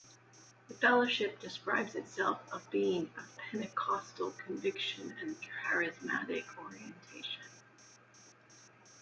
The fellowship describes itself as being "of Pentecostal conviction and Charismatic orientation".